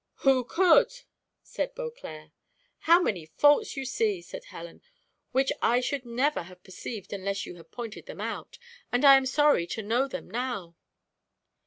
"WHO COULD?" said Beauclerc. "How many faults you see," said Helen, "which I should never have perceived unless you had pointed them out, and I am sorry to know them now."